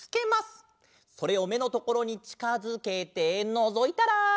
それをめのところにちかづけてのぞいたら。